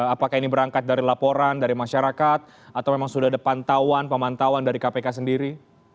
apakah ini berangkat dari laporan dari masyarakat atau memang sudah ada pantauan pemantauan dari kpk sendiri